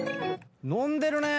飲んでるね！